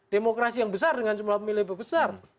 demokrasi yang besar dengan jumlah pemilu yang berpengaruh